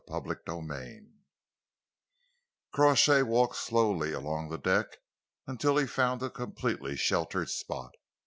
CHAPTER VII Crawshay walked slowly along the deck until he found a completely sheltered spot.